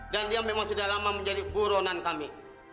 dan dia memang sudah lama menjadi buronan kami